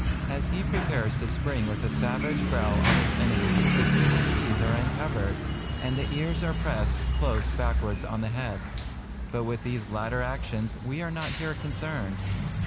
As he prepares to spring with a savage growl on his enemy, the canine teeth are uncovered, and the ears are pressed close backwards on the head; but with these latter actions, we are not here concerned.